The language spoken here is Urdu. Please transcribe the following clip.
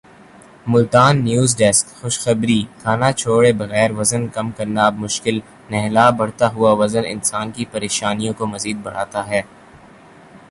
ملتان نیوز ڈیسک خشخبری کھانا چھوڑے بغیر وزن کم کرنا اب مشکل نہلا بڑھتا ہوا وزن انسان کی پریشانیوں کو مذید بڑھاتا ہے